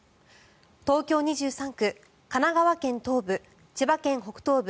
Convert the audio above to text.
東京２３区、神奈川県東部千葉県北東部